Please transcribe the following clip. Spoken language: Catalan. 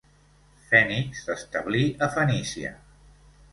Fènix s'establí a Fenícia.